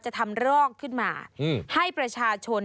จะทำรอกขึ้นมาให้ประชาชน